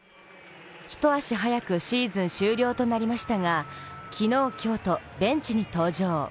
一足早くシーズン終了となりましたが昨日、今日とベンチに登場。